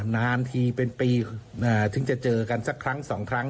นานทีเป็นปีถึงจะเจอกันสักครั้งสองครั้ง